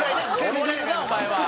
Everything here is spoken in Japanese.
溺れるなあお前は。